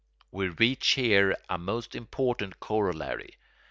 We reach here a most important corollary.